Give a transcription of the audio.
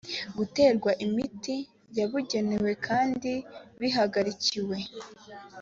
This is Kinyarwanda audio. guterwa imiti yabigenewe kandi bihagarikiwe